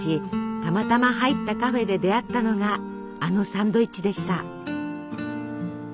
たまたま入ったカフェで出会ったのがあのサンドイッチでした。